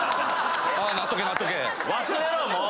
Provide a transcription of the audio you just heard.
忘れろもう！